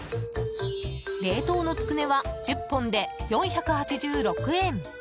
冷凍のつくねは１０本で４８６円。